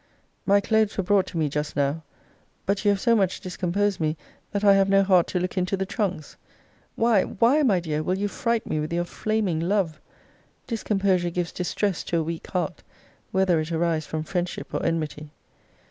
My clothes were brought to me just now. But you have so much discomposed me, that I have no heart to look into the trunks. Why, why, my dear, will you fright me with your flaming love? discomposure gives distress to a weak heart, whether it arise from friendship or enmity.